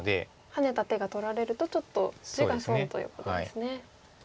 ハネた手が取られるとちょっと地が損ということですね。